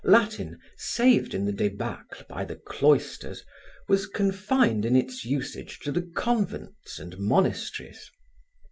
Latin, saved in the debacle by the cloisters, was confined in its usage to the convents and monasteries.